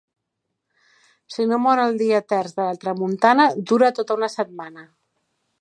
Si no mor el dia terç la tramuntana dura tota una setmana.